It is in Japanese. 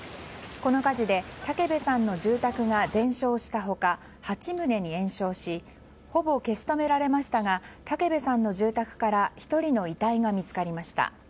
この火事で、武部さんの住宅が全焼した他、８棟に延焼しほぼ消し止められましたが武部さんの住宅から１人の遺体が見つかりました。